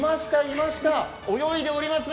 泳いでおります